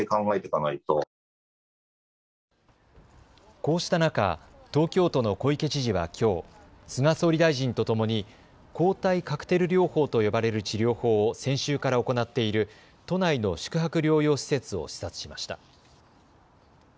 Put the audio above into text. こうした中、東京都の小池知事はきょう菅総理大臣とともに抗体カクテル療法と呼ばれる治療法を先週から行っている都内の宿泊療養施設を視察しました。